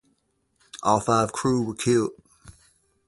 All five crew were killed.